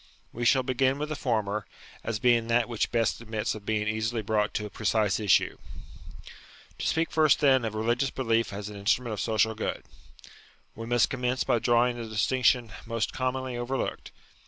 We shall begin with the former, as being that which best admits of being easily brought to a precise issue. To speak first, then, of religious belief as an instru ment of social good. We must commence by drawing a distinction most commonly overlooked.